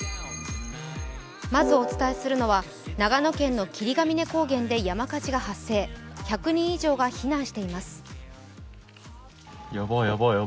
まずお伝えするのは長野県の霧ヶ峰高原で山火事が発生、１００人以上が避難しています。